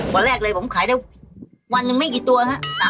วันแรกเลยผมขายได้วันหนึ่งไม่กี่ตัวฮะ